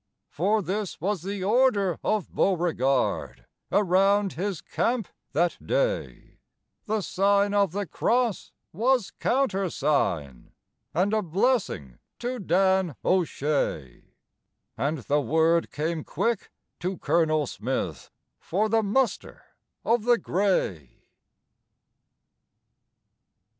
For this was the order of Beauregard Around his camp that day The Sign of the Cross was countersign, (And a blessing to Dan O'Shea) And the word came quick to Colonel Smith For the muster of the grey.